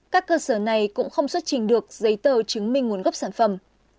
các cơ sở này cũng không xuất trình được giấy tờ chứng minh nguồn gốc sản phẩm